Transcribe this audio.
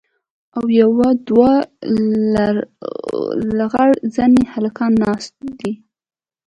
او يو دوه لغړ زني هلکان ناست دي.